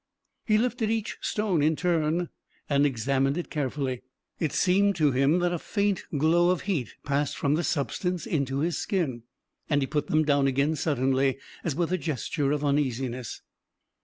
He lifted each stone in turn and examined it carefully. It seemed to him that a faint glow of heat passed from the substance into his skin, and he put them down again suddenly, as with a gesture of uneasiness.